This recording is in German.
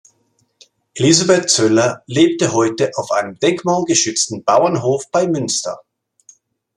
Elisabeth Zöller lebt heute auf einem denkmalgeschützten Bauernhof bei Münster.